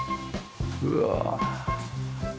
うわ。